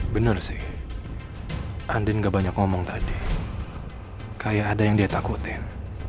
bener sih andin gak banyak ngomong tadi kayak ada yang dia takutin